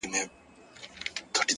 ښه اورېدونکی ښه زده کوونکی وي.!